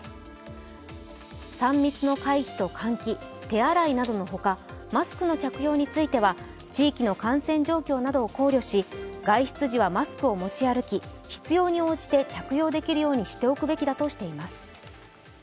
３密の回避と換気手洗いなどのほかマスクの着用については地域の感染状況などを考慮し、外出時はマスクを持ち歩き必要に応じて着用できるようにしておくべきだとしています。